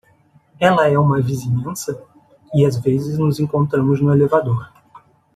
Ela é uma vizinhança? e às vezes nos encontramos no elevador.